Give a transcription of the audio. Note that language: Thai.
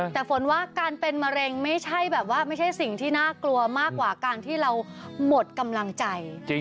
แต่ฝนว่าการเป็นมะเร็งไม่ใช่แบบว่าไม่ใช่สิ่งที่น่ากลัวมากกว่าการที่เราหมดกำลังใจ